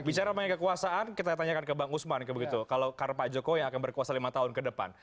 bicara mengenai kekuasaan kita tanyakan ke bang usman begitu kalau karena pak jokowi yang akan berkuasa lima tahun ke depan